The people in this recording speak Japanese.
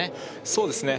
そうですね